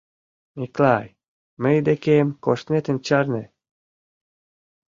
— Миклай, мый декем коштметым чарне.